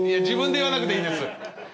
自分で言わなくていいです。